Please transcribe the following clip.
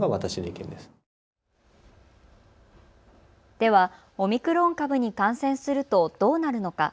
では、オミクロン株に感染するとどうなるのか。